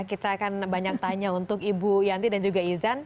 kita akan banyak tanya untuk ibu yanti dan juga izan